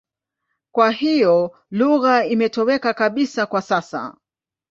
Kwa hiyo lugha imetoweka kabisa kwa sasa.